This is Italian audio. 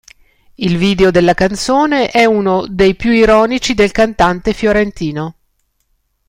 Il video della canzone è uno dei più ironici del cantante fiorentino.